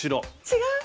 違う？